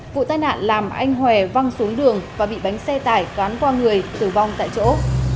vụ tai nạn làm anh huỳnh văn hòe văng xuống đường và bị bánh xe tải gán qua người tử vong tại chỗ